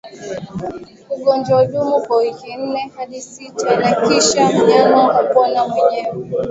Ugonjwa hudumu kwa wiki nne hadi sita na kisha mnyama hupona mwenyewe